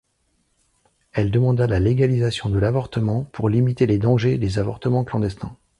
Elle demanda la légalisation de l'avortement pour limiter les dangers des avortements clandestins.